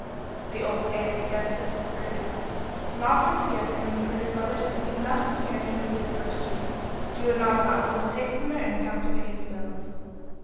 The old aunts guessed at his predicament, and offered to give him for his mother's sake enough to carry him through the first year, but he would not allow them to take from their income to pay his bills.